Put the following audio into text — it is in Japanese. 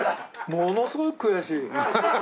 ものすごい悔しい。